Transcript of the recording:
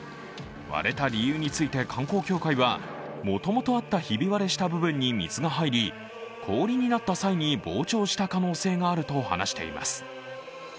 割れた理由について、観光協会はもともとあったひび割れした部分に水が入り氷になった際に膨張した可能性があると話しています。